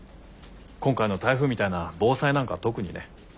今回の台風みたいな防災なんかは特にね。